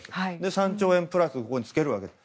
３兆円プラスをここにつけるんです。